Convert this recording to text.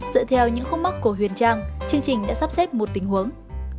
dựa theo những khúc mắt của huyền trang chương trình đã sắp xếp một tình huống